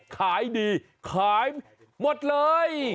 ขายดีขายหมดเลย